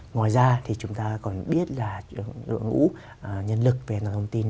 ngoài ra thì chúng ta còn biết là đội ngũ nhân lực về an toàn thông tin